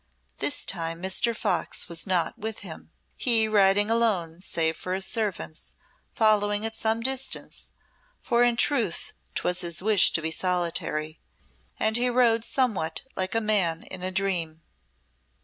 This time Mr. Fox was not with him, he riding alone save for his servants, following at some distance, for in truth 'twas his wish to be solitary, and he rode somewhat like a man in a dream.